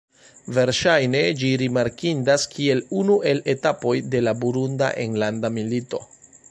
Verŝajne, ĝi rimarkindas kiel unu el etapoj de la Burunda enlanda milito.